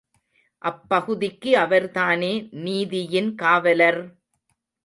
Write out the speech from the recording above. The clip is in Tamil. அப்பகுதிக்கு அவர்தானே நீதியின் காவலர்!